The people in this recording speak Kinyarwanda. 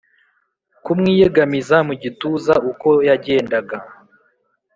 kumwiyegamiza mugituza uko yagendaga